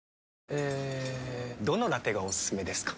えどのラテがおすすめですか？